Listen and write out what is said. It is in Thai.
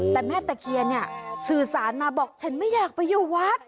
แต่แม่ตะเคียนเนี่ยสื่อสารมาบอกฉันไม่อยากไปอยู่วัด